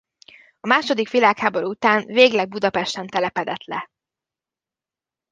A második világháború után végleg Budapesten telepedett le.